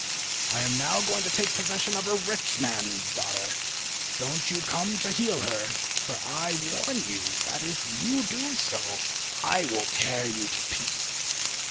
I am now going to take possession of a rich man's daughter. Don't you come to heal her, for I warn you that if you do so I will tear you to pieces."